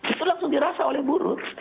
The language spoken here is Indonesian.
itu langsung dirasa oleh buruh